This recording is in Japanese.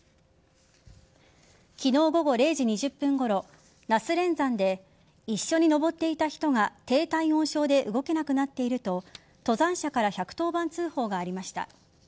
昨日午後０時２０分ごろ那須連山で一緒に登っていた人が低体温症で動けなくなっていると登山者から１１０番通報がありました。